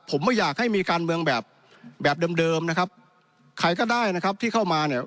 ผมไม่อยากให้มีการเมืองแบบแบบเดิมเดิมนะครับใครก็ได้นะครับที่เข้ามาเนี่ย